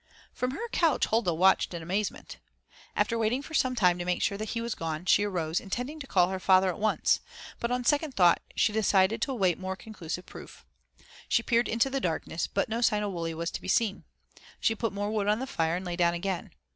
From her couch Huldah watched in amazement. After waiting for some time to make sure that he was gone, she arose, intending to call her father at once, but on second thought she decided to await more conclusive proof. She peered into the darkness, but no sign of Wully was to be seen. She put more wood on the fire, and lay down again.